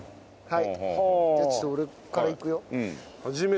はい。